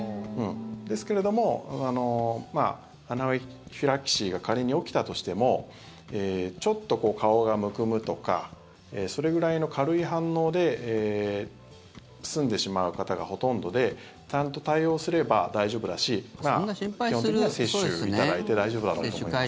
ですけれどもアナフィラキシーが仮に起きたとしてもちょっと顔がむくむとかそれぐらいの軽い反応で済んでしまう方がほとんどでちゃんと対応すれば大丈夫だし基本的には接種いただいて大丈夫だろうと思います。